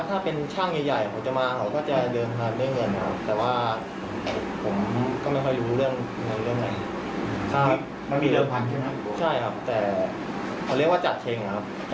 เราก็เลิกมันไม่ดีโปรวัง